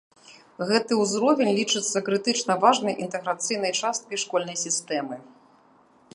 Гэты ўзровень лічыцца крытычна важнай інтэграцыйнай часткай школьнай сістэмы.